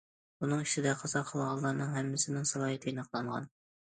بۇنىڭ ئىچىدە، قازا قىلغانلارنىڭ ھەممىسىنىڭ سالاھىيىتى ئېنىقلانغان.